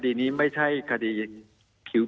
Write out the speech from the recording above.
มีความรู้สึกว่ามีความรู้สึกว่า